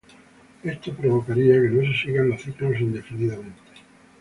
Esto provocaría que no se sigan los ciclos indefinidamente.